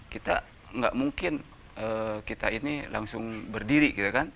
kita nggak mungkin kita ini langsung berdiri